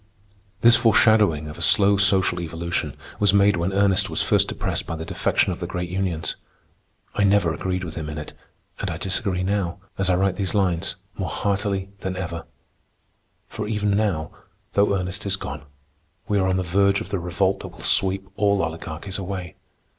This foreshadowing of a slow social evolution was made when Ernest was first depressed by the defection of the great unions. I never agreed with him in it, and I disagree now, as I write these lines, more heartily than ever; for even now, though Ernest is gone, we are on the verge of the revolt that will sweep all oligarchies away.